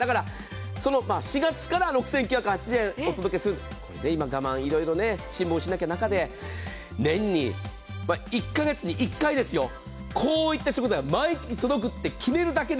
４月から６９８０円お届けする、今、我慢いろいろ辛抱しなきゃならない中で、年に１か月に１回ですよ、こういった食材が毎月届くって決めるだけで。